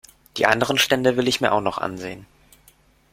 Die anderen Stände will ich mir auch noch ansehen.